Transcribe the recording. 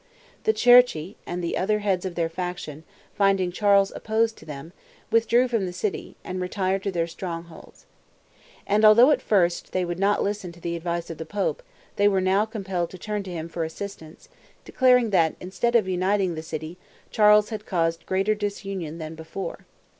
The Cerchi, and the other heads of their faction, finding Charles opposed to them, withdrew from the city, and retired to their strongholds. And although at first they would not listen to the advice of the pope, they were now compelled to turn to him for assistance, declaring that instead of uniting the city, Charles had caused greater disunion than before.